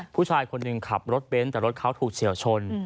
ผู้ชายคนหนึ่งขับรถเบ้นแต่รถเขาถูกเฉียวชน